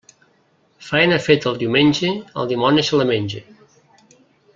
Faena feta el diumenge, el dimoni se la menge.